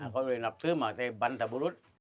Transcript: ก็เลยนับถือมาเตบรรทบูรุษ